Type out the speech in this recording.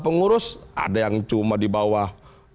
pengurus ada yang cuma di bawah